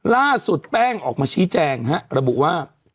ล่าสุดแป้งออกมาชี้แจงฮะระบุว่า